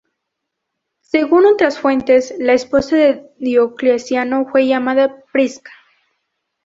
Según otras fuentes, la esposa de Diocleciano fue llamada Prisca.